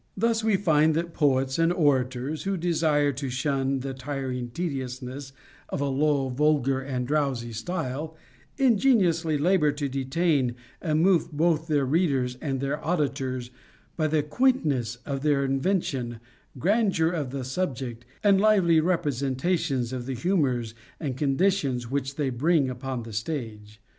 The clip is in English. Thus we find that poets CONJUGAL PRECEPTS. 497 and orators, who desire to shun the tiring tediousness of a low, vulgar, and drowsy style, ingeniously labor tc detain and move both their readers and their auditors by the quaiiitness of their invention, grandeur of the subject, and lively representation of the humors and conditions which they bring upon the stage.